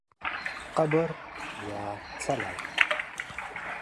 قبر یا څلی